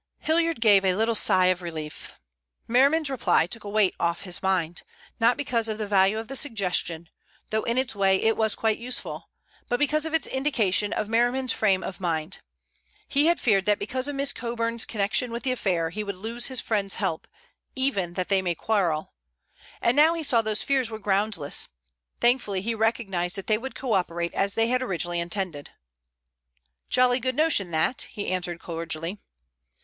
Hilliard gave a little sigh of relief. Merriman's reply took a weight off his mind, not because of the value of the suggestion—though in its way it was quite useful—but because of its indication of Merriman's frame of mind. He had feared that because of Miss Coburn's connection with the affair he would lose his friend's help, even that they might quarrel. And now he saw these fears were groundless. Thankfully he recognized that they would co operate as they had originally intended. "Jolly good notion, that," he answered cordially.